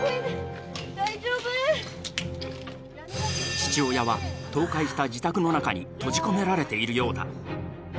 父親は倒壊した自宅の中に閉じ込められているようだ。